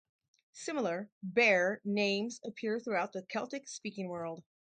Similar 'bear' names appear throughout the Celtic-speaking world.